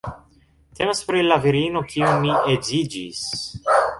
Temas pri la virino kiun mi edziĝis